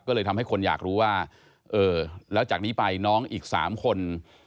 ก็เลยทำให้คนอยากรู้ว่าเออแล้วจากนี้ไปน้องอีก๓คน